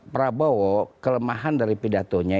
prabowo kelemahan dari pidatonya